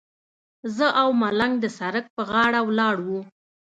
زه او ملنګ د سړک پر غاړه ولاړ وو.